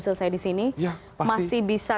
selesai di sini masih bisa